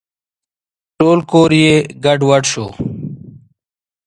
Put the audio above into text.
ټول کور یې ګډوډ شو .